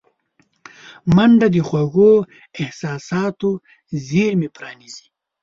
منډه د خوږو احساساتو زېرمې پرانیزي